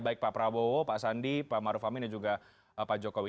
baik pak prabowo pak sandi pak maruf amin dan juga pak jokowi